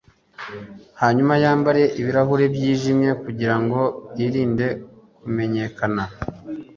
hanyuma yambare ibirahure byijimye kugirango yirinde kumenyekana